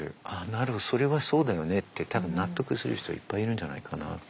なるほどそれはそうだよねって多分納得する人いっぱいいるんじゃないかなって。